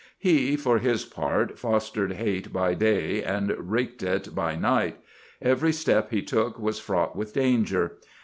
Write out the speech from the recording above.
He, for his part, fostered hate by day and wreaked it by night. Every step he took was fraught with danger.